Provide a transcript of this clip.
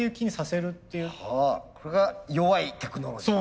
これが弱いテクノロジー。